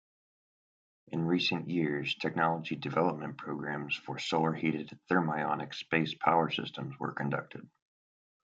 In recent years technology development programs for solar-heated thermionic space power systems were conducted.